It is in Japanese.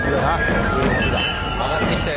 上がってきたよ